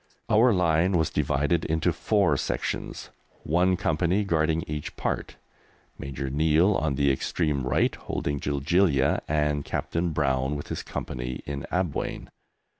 Our line was divided into four sections, one company guarding each part, Major Neill on the extreme right holding Jiljilia, and Captain Brown with his Company in Abwein.